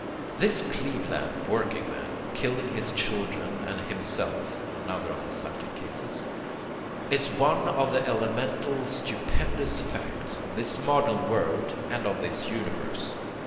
... "This Cleveland workingman, killing his children and himself [another of the cited cases], is one of the elemental, stupendous facts of this modern world and of this universe.